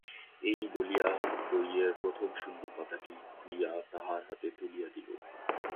এই বলিয়া বইয়ের প্রথম শূন্য পাতাটি খুলিয়া তাহার হাতে তুলিয়া দিল।